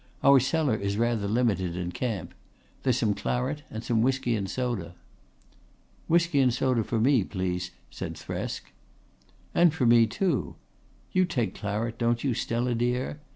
Our cellar is rather limited in camp. There's some claret and some whisky and soda." "Whisky and soda for me, please," said Thresk. "And for me too. You take claret, don't you, Stella dear?"